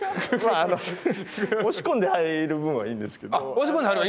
押し込んで入る分はいいんですか？